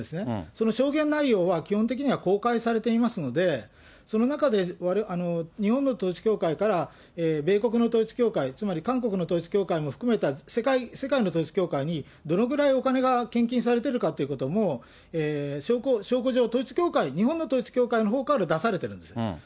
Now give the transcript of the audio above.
その証言には基本的には公開されていますので、その中で、日本の統一教会から米国の統一教会、つまり、韓国の統一教会も含めた世界の統一教会に、どのぐらいお金が献金されてるかということも、証拠じょう、統一教会、日本の統一教会のほうから出されてるんですね。